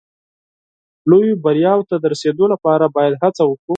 لویو بریاوو ته د رسېدو لپاره باید هڅه وکړو.